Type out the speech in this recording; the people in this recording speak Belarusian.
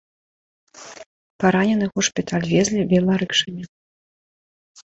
Параненых у шпіталь везлі веларыкшамі.